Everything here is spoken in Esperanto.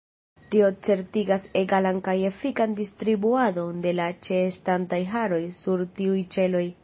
Tio certigas egalan kaj efikan distribuadon de la ĉeestantaj haroj sur tiuj ĉeloj.